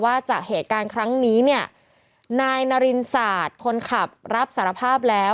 จากเหตุการณ์ครั้งนี้เนี่ยนายนารินศาสตร์คนขับรับสารภาพแล้ว